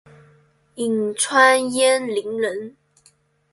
颍川鄢陵人。